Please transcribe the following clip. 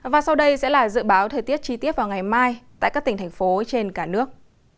và sau đây sẽ là dự báo thời tiết chi tiết vào ngày mai tại các tỉnh thành phố trên cả nước